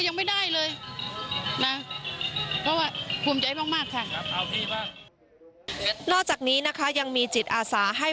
นอกจากนี้นะคะยังมีจิตอาสาให้